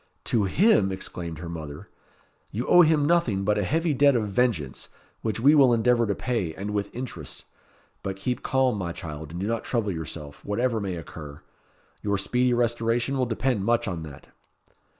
"To him!" exclaimed her mother. "You owe him nothing but a heavy debt of vengeance, which we will endeavour to pay, and with interest. But keep calm, my child, and do not trouble yourself; whatever may occur. Your speedy restoration will depend much on that."